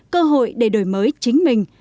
cơ hội để đổi mới chính mình